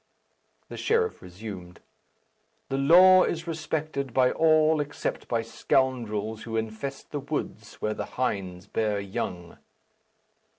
The sheriff resumed. "The law is respected by all except by scoundrels who infest the woods where the hinds bear young."